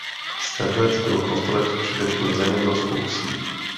Sedlec byl po staletí především zemědělskou vsí.